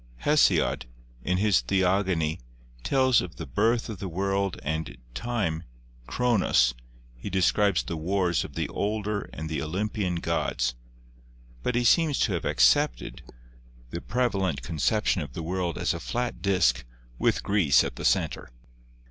Hesiod, in his 'Theogony,' tells of the birth of the world and Time 'Chronos/ he describes the wars of the older and the Olympian gods, but he seems to have accepted the prev 4 GEOLOGY alent conception of the world as a flat disk with Greece in the center.